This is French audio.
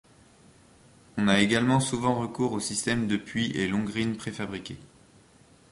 On a également souvent recours au système de puits et longrines préfabriquées.